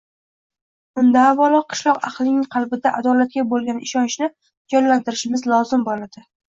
unda avvalo qishloq ahlining qalbida adolatga bo‘lgan ishonchni jonlantirishimiz lozim bo‘ladi.